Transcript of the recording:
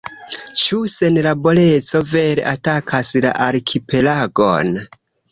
Ĉu senlaboreco vere atakas la arkipelagon?